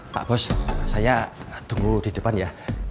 pak bos saya tunggu di depan ya